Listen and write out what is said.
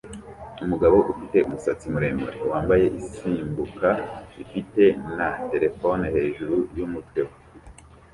Umugabo ufite umusatsi muremure wambaye isimbuka ifite na terefone hejuru yumutwe we